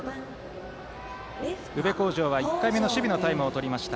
宇部鴻城は、１回目の守備のタイムをとりました。